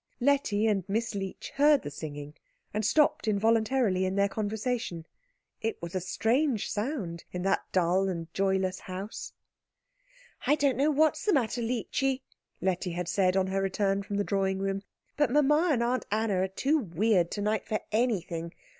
Letty and Miss Leech heard the singing, and stopped involuntarily in their conversation. It was a strange sound in that dull and joyless house. "I don't know what's the matter, Leechy," Letty had said, on her return from the drawing room, "but mamma and Aunt Anna are too weird to night for anything.